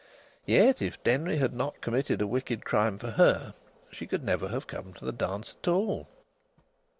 Yet, if Denry had not committed a wicked crime for her, she could never have come to the dance at all!